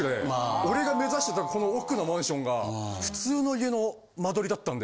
俺が目指してたこの億のマンションが普通の家の間取りだったんで。